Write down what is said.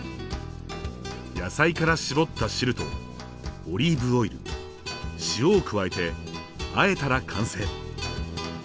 野菜から搾った汁とオリーブオイル塩を加えてあえたら完成。